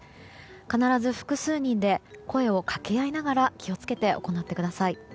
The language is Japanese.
必ず複数人で声をかけ合いながら気を付けて行ってください。